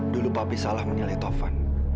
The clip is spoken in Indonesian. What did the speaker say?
dulu papi salah menilai tovan